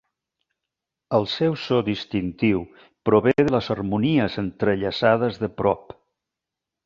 El seu so distintiu prové de les harmonies entrellaçades de prop.